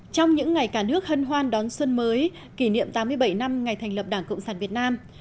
trong những ngày cả nước hân hoan đón xuân mới kỷ niệm tám mươi bảy năm ngày thành lập đảng cộng sản việt nam